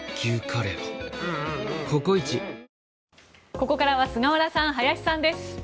ここからは菅原さん、林さんです。